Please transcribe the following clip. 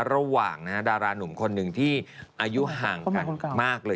ระหว่างดารานุ่มคนหนึ่งที่อายุห่างกันมากเลย